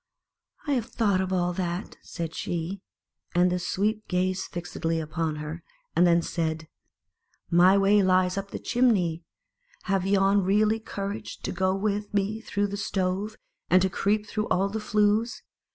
"I have thought of all that," said she. And the Sweep gazed fixedly upon her, ill rod and then said, " My way lies up the chim ney. Have yon really courage to go with me through the stove, and to creep through all the flues?